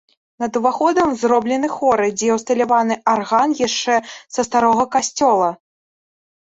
Над уваходам зроблены хоры, дзе ўсталяваны арган яшчэ са старога касцёла.